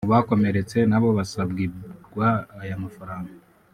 Mu bakomeretse nabo basabwirwa aya mafaranga